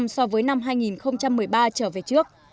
so với năm hai nghìn một mươi ba trở về trước